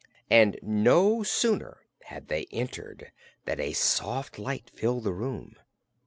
And no sooner had they entered than a soft light filled the room.